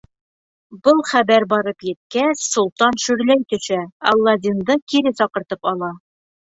Был хәбәр барып еткәс, солтан шөрләй төшә, Аладдинды кире саҡыртып ала.